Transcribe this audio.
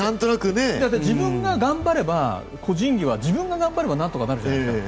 だって、自分が頑張れば個人技は自分が頑張ればなんとかなるじゃないですか。